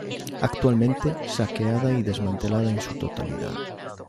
Actualmente, saqueada y desmantelada en su totalidad.